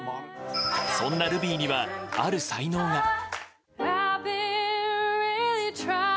そんなルビーには、ある才能が。